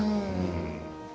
うん。